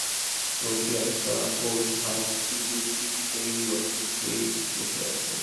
রথী আত্মা ও সারথি বুদ্ধি সেই রথে বসে আছেন।